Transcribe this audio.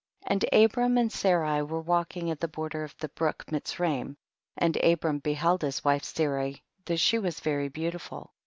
3. And Abram and Sarai were walking at the border of the brook Mitzraim, and Abram beheld his wife 8arai that she was very beautiful.